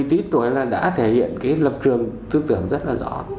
thì một mươi bốn tuổi là đã thể hiện cái lập trường tư tưởng rất là rõ